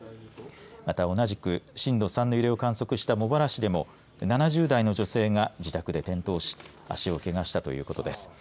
また同じく震度３の揺れを観測した茂原市でも７０代の女性が自宅で転倒し足を、けがしたということです。